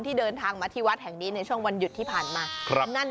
เดินทางมาที่วัดแห่งนี้ในช่วงวันหยุดที่ผ่านมา